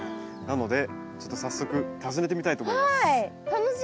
なのでちょっと早速訪ねてみたいと思います。